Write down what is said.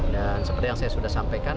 dan seperti yang saya sudah sampaikan